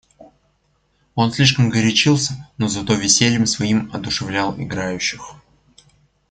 Он слишком горячился, но зато весельем своим одушевлял играющих.